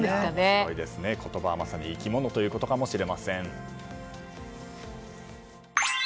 言葉はまさに生き物ということかもしれません。